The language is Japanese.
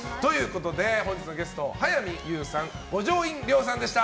本日のゲスト早見優さん、五条院凌さんでした。